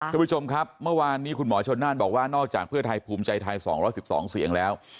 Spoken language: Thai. คุณผู้ชมครับเมื่อวานนี้คุณหมอชนน่านบอกว่านอกจากเพื่อไทยภูมิใจไทย๒๑๒เสียงแล้ว